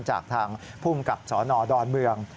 จากทางภูมิกับสนดอนเมือง